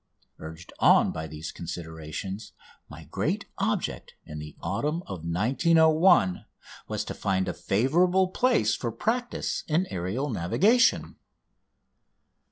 Urged on by these considerations, my great object in the autumn of 1901 was to find a favourable place for practice in aerial navigation.